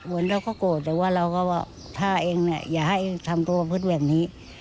เว้นเราก็โกรธว่าเราก็ถ้าเองไม่ให้ทำตัวพืชแบบนี้